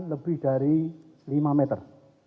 lebih dari lima meter